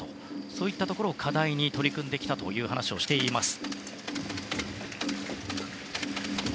そういったことを課題に取り組んできたという話をしています。